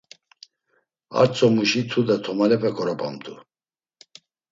Artzomuşi tude tomalepe ǩorobamt̆u.